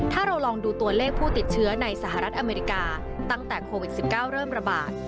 ถ้าเราลองดูตัวเลขผู้ติดเชื้อในสหรัฐอเมริกาตั้งแต่โควิด๑๙เริ่มระบาด